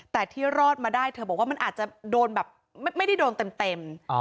แต่ที่รอดมาได้เธอบอกว่ามันอาจจะโดนแบบไม่ได้โดนเต็ม